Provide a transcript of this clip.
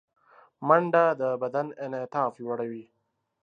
منډه د بدن انعطاف لوړوي